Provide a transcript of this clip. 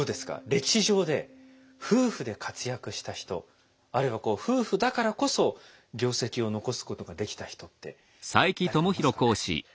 歴史上で夫婦で活躍した人あるいは夫婦だからこそ業績を残すことができた人って誰かいますかね？